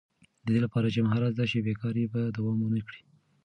د دې لپاره چې مهارت زده شي، بېکاري به دوام ونه کړي.